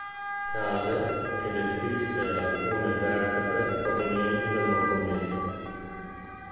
Case, che descrisse alcune vertebre provenienti dal Nuovo Messico.